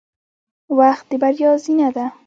• وخت د بریا زینه ده.